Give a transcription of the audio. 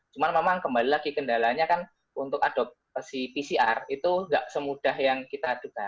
cuman memang kembali lagi kendalanya kan untuk adopsi pcr itu nggak semudah yang kita adukan